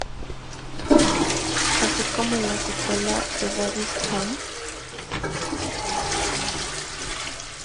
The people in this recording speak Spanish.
Así como en la secuela de Daddy's Home.